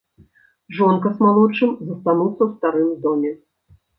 Жонка з малодшым застануцца ў старым доме.